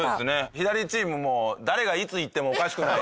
左チームもう誰がいつ逝ってもおかしくない。